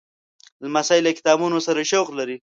لمسی له کتابونو سره شوق لري.